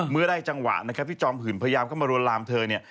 เมื่อได้จังหวะนะครับที่จอมหื่นพยายามเข้ามารวนลามเธอเนี่ย